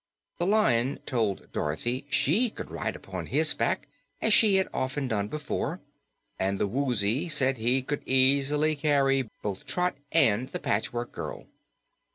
The Lion told Dorothy she could ride upon his back as she had often done before, and the Woozy said he could easily carry both Trot and the Patchwork Girl.